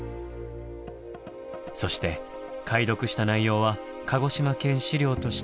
そして解読した内容は「鹿児島県史料」として刊行しています。